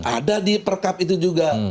ada di per kap itu juga